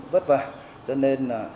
vất vả cho nên là